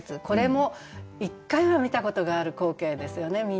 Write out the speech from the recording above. これも一回は見たことがある光景ですよね